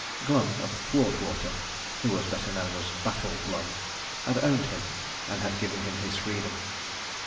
Glum, of Thwartwater, who was better known as Battle Glum, had owned him, and had given him his freedom.